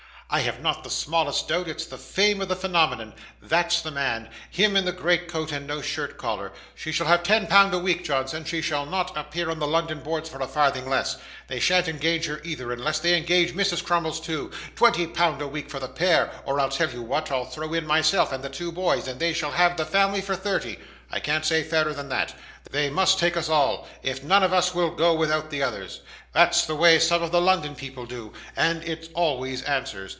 'I have not the smallest doubt it's the fame of the phenomenon that's the man; him in the great coat and no shirt collar. She shall have ten pound a week, Johnson; she shall not appear on the London boards for a farthing less. They shan't engage her either, unless they engage Mrs. Crummles too twenty pound a week for the pair; or I'll tell you what, I'll throw in myself and the two boys, and they shall have the family for thirty. I can't say fairer than that. They must take us all, if none of us will go without the others. That's the way some of the London people do, and it always answers.